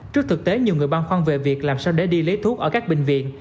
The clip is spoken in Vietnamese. trước thực tế nhiều người băng khoan về việc làm sao để đi lấy thuốc ở các bệnh viện